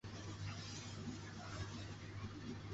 侧台塔小斜方截半二十面体欠二侧台塔。